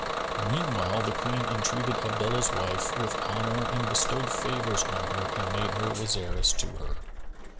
Meanwhile the Queen entreated Abdullah's wife with honour and bestowed favours on her and made her Waziress to her.